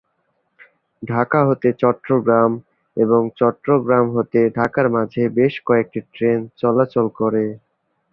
ঢাকা হতে চট্টগ্রাম এবং চট্টগ্রাম হতে ঢাকার মাঝে বেশ কয়েকটি ট্রেন চলাচল করে।